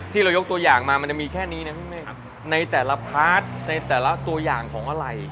ที่เรายกตัวอย่างมามันจะมีแค่นี้นะพี่เมฆในแต่ละพาร์ทในแต่ละตัวอย่างของอะไร